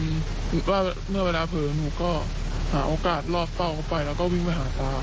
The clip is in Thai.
หรือว่าเมื่อเวลาเผลอหนูก็หาโอกาสลอดเฝ้าเขาไปแล้วก็วิ่งไปหาตา